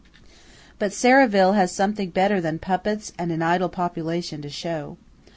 But Serravalle has something better than puppets and an idle population to show.